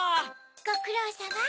ごくろうさま。